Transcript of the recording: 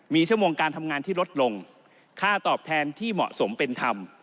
มีชั่วโมงการทำงานที่ลดลงค่าตอบแทนที่เหมาะสมเป็นธรรม